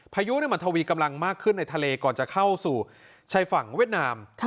พายุมันทวีกำลังมากขึ้นในทะเลก่อนจะเข้าสู่ชายฝั่งเวียดนาม